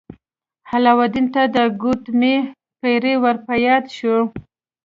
علاوالدین ته د ګوتمۍ پیری ور په یاد شو.